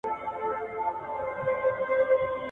چي په اخره کې مرداره نه کي پښتون نه دئ.